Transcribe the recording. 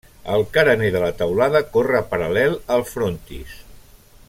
El carener de la teulada corre paral·lel al frontis.